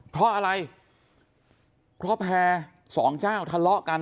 เพราะอะไรเพราะแพร่สองเจ้าทะเลาะกัน